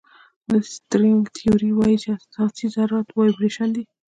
د سټرینګ تیوري وایي چې اساسي ذرات وایبریشن دي.